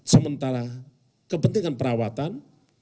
sementara kepentingan perawatan